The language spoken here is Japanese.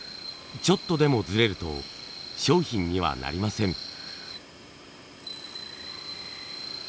ちょっとでもずれると商品にはなりません。